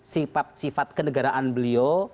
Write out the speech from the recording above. sifat sifat kendegaraan beliau